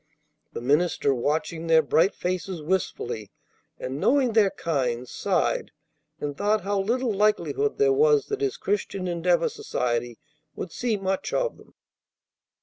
The minister, watching their bright faces wistfully, and knowing their kind, sighed, and thought how little likelihood there was that his Christian Endeavor society would see much of them.